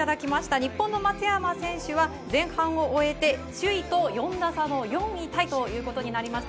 日本の松山選手は、前半を終えて、首位と４打差の４位タイということになりました。